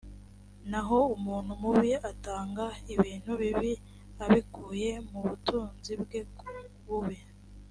naho umuntu mubi atanga ibintu bibi abikuye mu butunzi bwe bubi